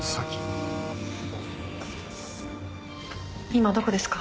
今どこですか？